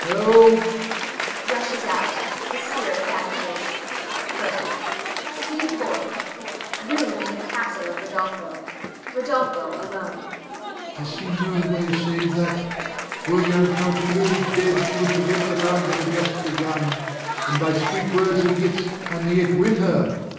help! [Rushes out. The spirit vanishes. CURTAIN. SCENE FOURTH. [Room in the castle of Rodolpho. Rodolpho alone.] Rod. I see no way save that. Were young Count Louis dead she would forget the love that had just begun, and by sweet words and gifts I may yet win her.